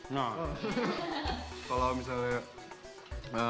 nah kalau misalnya